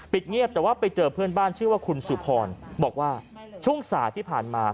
เงียบแต่ว่าไปเจอเพื่อนบ้านชื่อว่าคุณสุพรบอกว่าช่วงสายที่ผ่านมา